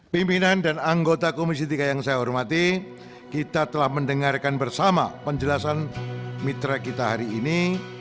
pimpinan dan anggota komisi tiga yang saya hormati kita telah mendengarkan bersama penjelasan mitra kita hari ini